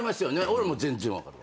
俺も全然分かるわ。